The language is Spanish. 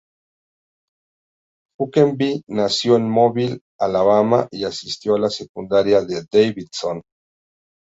Huckabee nació en Mobile, Alabama y asistió a la Secundaria Davidson.